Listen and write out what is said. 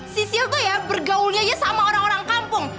sisil tuh ya bergaulnya aja sama orang orang kampung